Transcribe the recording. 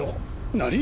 何？